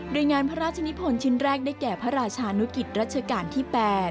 โดยงานพระราชนิพลชิ้นแรกได้แก่พระราชานุกิจรัชกาลที่๘